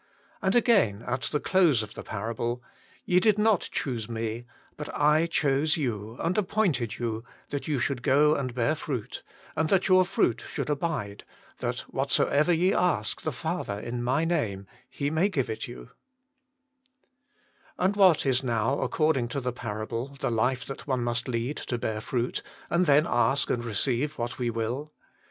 And again at the close of the parable :" Ye did not choose Me, but I chose you, and appointed you, that you should go and bear fruit, and that your fruit should abide: that wJiatsoever ye shall ask the Father in My name, JTe may give it you" And what is now, according to the parable, TTIE LIFE THAT CAN PRAY 57 the life that one must lead to bear fruit, and then ask and receive what we will